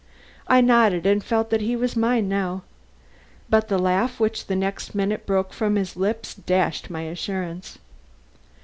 I nodded and felt that he was mine now. But the laugh which the next minute broke from his lips dashed my assurance.